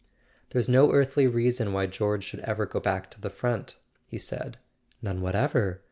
"There's no earthly reason why George should ever go back to the front," he said. "None whatever.